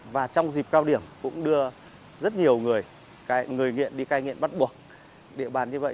và trong dịp cao điểm cũng đưa rất nhiều người người nghiện đi cai nghiện bắt buộc địa bàn như vậy